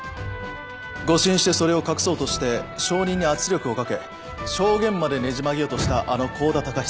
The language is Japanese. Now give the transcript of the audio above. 誤審してそれを隠そうとして証人に圧力をかけ証言までねじ曲げようとしたあの香田隆久裁判官。